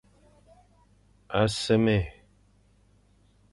A sémé.